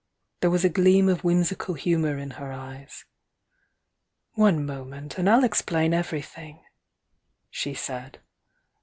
There was a gleam of whimsical humour in her eyes. "One moment, and I'll explain everything," she said.